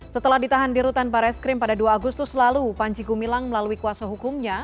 setelah ditahan di rutan barai skrim pada dua agustus lalu panji gumilang melalui kuasa hukumnya